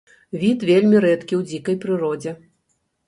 Від вельмі рэдкі ў дзікай прыродзе.